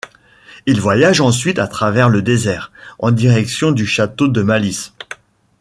Il voyage ensuite à travers le désert, en direction du château de Malice.